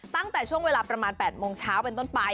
ตั้งแต่ช่วงเวลาประมาณ๘โมงเช้าเป็นต้นไป